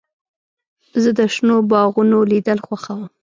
زه د شنو باغونو لیدل خوښوم.